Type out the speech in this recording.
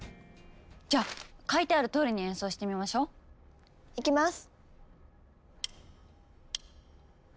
じゃ書いてあるとおりに演奏してみましょ。いきます。